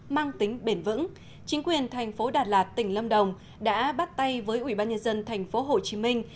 mang tính bền vững chính quyền tp đà lạt tỉnh lâm đồng đã bắt tay với ubnd tp hồ chí minh